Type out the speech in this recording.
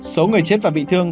số người chết và bị thương